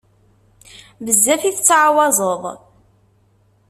Bezzaf i tettɛawazeḍ.